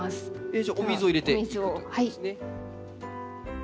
じゃあお水を入れていくということですね。